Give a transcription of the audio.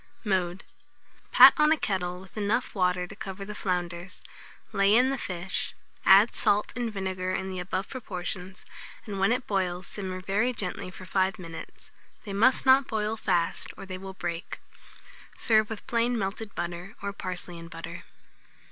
Mode. Pat on a kettle with enough water to cover the flounders, lay in the fish, add salt and vinegar in the above proportions, and when it boils, simmer very gently for 5 minutes. They must not boil fast, or they will break. Serve with plain melted butter, or parsley and butter.